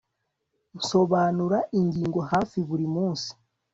Nsobanura ingingo hafi buri munsi